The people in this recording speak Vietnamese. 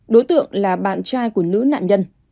đối tượng là bạn trai của nữ nạn nhân